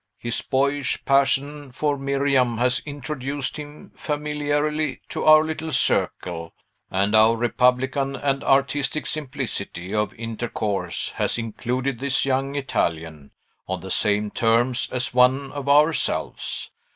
His boyish passion for Miriam has introduced him familiarly to our little circle; and our republican and artistic simplicity of intercourse has included this young Italian, on the same terms as one of ourselves.